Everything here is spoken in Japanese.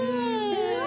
うわ！